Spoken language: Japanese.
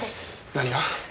何が？